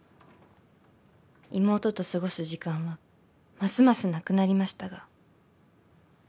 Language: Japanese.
［妹と過ごす時間はますますなくなりましたが］